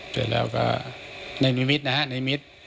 เสร็จแล้วก็ในนิมิตรนะฮะในมิตร